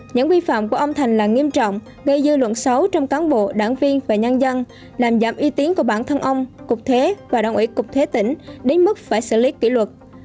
những vi phạm của ông thành là nghiêm trọng gây dư luận xấu trong cán bộ đảng viên và nhân dân làm giảm uy tín của bản thân ông cục thuế và đồng ủy cục thuế tỉnh đến mức phải xử lý kỷ luật